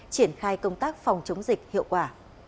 triển khai công tác phòng chống dịch hiệu quả